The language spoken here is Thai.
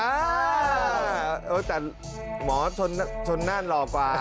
อ้าวแต่หมอชนละนั่นหลอกกว่า